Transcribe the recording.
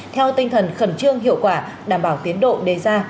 theo tinh thần khẩn trương hiệu quả đảm bảo tiến độ đề ra